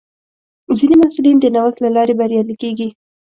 ځینې محصلین د نوښت له لارې بریالي کېږي.